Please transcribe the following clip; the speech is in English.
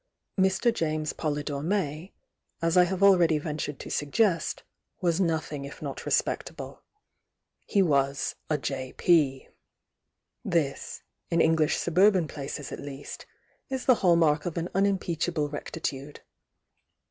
A&. James Potydore May, aa I have already ven tured to suggest, was nothing if uot respectable. He was a J.P This,— in Engliii suburban places at least,— 18 the hall mark of an unimpeachable recti THE YOUNG DIANA la tude.